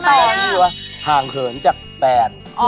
แล้วสามารถที่ดูว่าห่างเหินจากแฟน